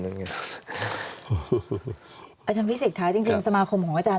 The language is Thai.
อาจารย์พิสิทธิ์ค่ะจริงสมาคมของอาจารย